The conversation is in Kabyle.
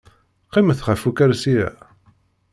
Qqimet ɣef ukersi-a.